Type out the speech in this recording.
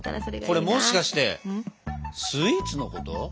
これもしかしてスイーツのこと？